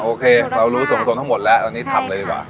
โอเคเรารู้ส่วนผสมทั้งหมดแล้วตอนนี้ทำเลยดีกว่า